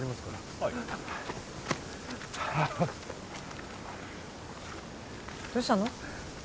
はいあどうしたの？